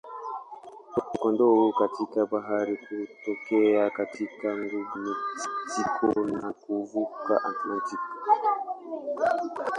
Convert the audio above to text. Mkondo huu katika bahari hutokea katika ghuba ya Meksiko na kuvuka Atlantiki.